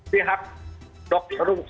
pihak dokter hotel tidak tahu